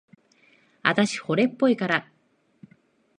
あたし、惚れっぽいから。